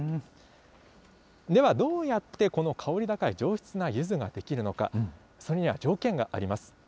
では、どうやってこの香り高い上質なゆずができるのか、それには条件があります。